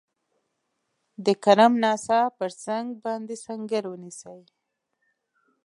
د کرم ناسا پر څنګ باندي سنګر ونیسي.